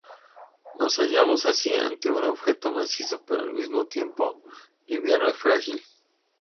Nos hallamos, así, ante un objeto macizo, pero al mismo tiempo liviano y frágil.